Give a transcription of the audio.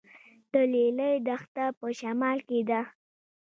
د لیلی دښته په شمال کې ده